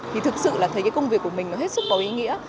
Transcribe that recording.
thì thực sự là thấy cái công việc của mình nó hết sức có ý nghĩa